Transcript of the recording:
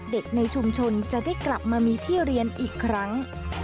ในชุมชนจะได้กลับมามีที่เรียนอีกครั้ง